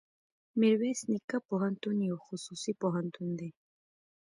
ميرويس نيکه پوهنتون يو خصوصي پوهنتون دی.